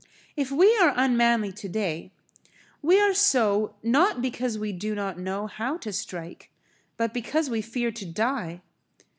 If we are unmanly today, we are so, not because we do not know how to strike, but because we fear to die.